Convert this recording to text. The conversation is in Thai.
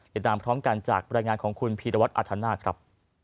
ติดตามพร้อมกันจากบรรยายงานของคุณพีรวัตรอธนาคครับ